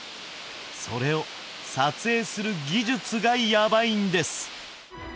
それを撮影する技術がヤバいんです。